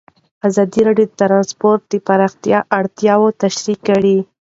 ازادي راډیو د ترانسپورټ د پراختیا اړتیاوې تشریح کړي.